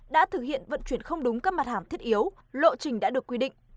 đã thực hiện vận chuyển không đúng các mặt hàng thiết yếu lộ trình đã được quy định